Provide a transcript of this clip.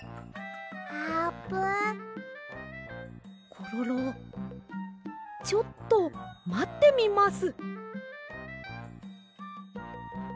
コロロちょっとまってみます。